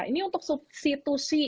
ini untuk substitusi